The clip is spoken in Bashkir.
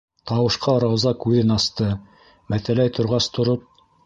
Тауышҡа Рауза күҙен асты, мәтәләй торғас, тороп